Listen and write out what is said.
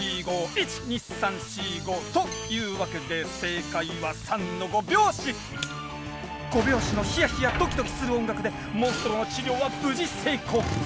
１・２・３・４・５。というわけで５拍子のヒヤヒヤドキドキする音楽でモンストロの治療は無事成功。